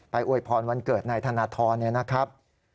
ไปอวยพรวันเกิดนายธนทรนะครับ